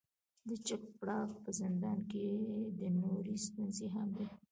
د چک پراګ په زندان کې نورې ستونزې هم وې.